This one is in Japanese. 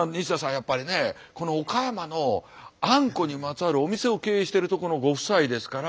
やっぱりねこの岡山のあんこにまつわるお店を経営してるとこのご夫妻ですから。